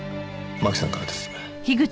真紀さんからです。